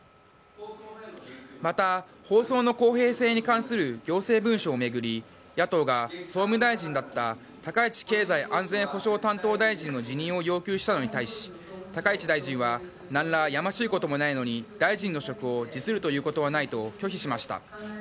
また、放送の公平性に関する行政文書を巡り、野党が総務大臣だった高市経済安全保障担当大臣の辞任を要求したのに対し、高市大臣は、なんらやましいこともないのに、大臣の職を辞するということはないと、拒否しました。